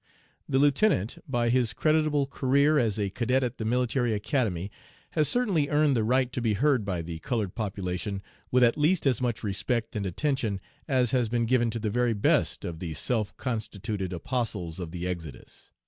The lieutenant, by his creditable career as a cadet at the Military Academy, has certainly earned the right to be heard by the colored population with at least as much respect and attention as has been given to the very best of the self constituted apostles of the Exodus.